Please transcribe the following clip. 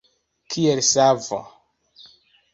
Kiel savo.